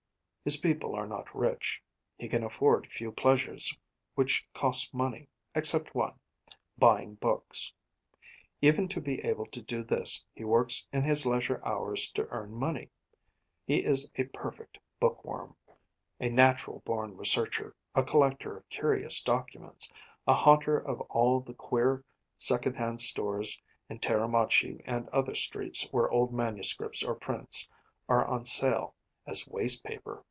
His people are not rich; he can afford few pleasures which cost money, except one buying books. Even to be able to do this he works in his leisure hours to earn money. He is a perfect bookworm, a natural born researcher, a collector of curious documents, a haunter of all the queer second hand stores in Teramachi and other streets where old manuscripts or prints are on sale as waste paper.